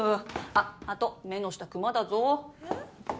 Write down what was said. あと目の下クマだぞえっ？